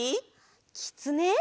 きつね！